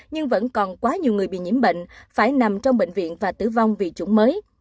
nhưng vẫn còn quá nhiều người bị nhiễm bệnh phải nằm trong bệnh viện và tử vong vì chủng mới